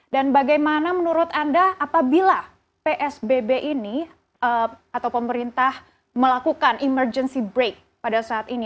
dan bagaimana menurut anda apabila psbb ini atau pemerintah melakukan emergency break pada saat ini